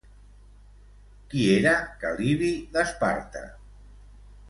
Qui era Cal·libi d'Esparta?